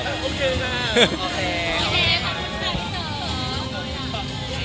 โอเคขอบคุณมากที่เจอ